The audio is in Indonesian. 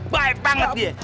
baik banget dia